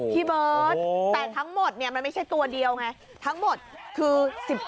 พี่เบิร์ตแต่ทั้งหมดเนี่ยมันไม่ใช่ตัวเดียวไงทั้งหมดคือ๑๗